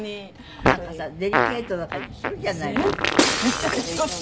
なんかさデリケートな感じするじゃないの。